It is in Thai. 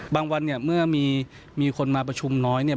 วันเนี่ยเมื่อมีคนมาประชุมน้อยเนี่ย